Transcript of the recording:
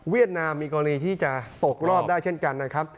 นามมีกรณีที่จะตกรอบได้เช่นกันนะครับ